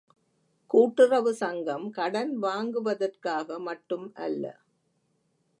கூட்டுறவு சங்கம் கடன் வாங்குவதற்காக மட்டும் அல்ல.